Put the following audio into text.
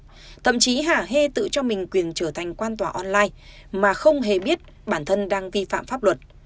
và thậm chí hà hê tự cho mình quyền trở thành quan tòa online mà không hề biết bản thân đang vi phạm pháp luật